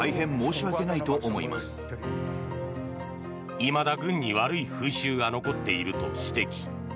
いまだ、軍に悪い風習が残っていると指摘。